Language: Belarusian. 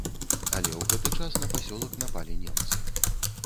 Але ў гэты час на пасёлак напалі немцы.